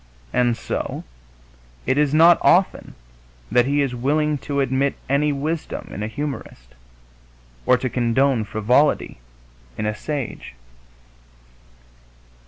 And so it is not often that he is willing to admit any wisdom in a humorist, or to condone frivolity in a sage.